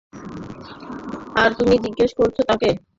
আর তুমি জিজ্ঞেস করেছো তাকে?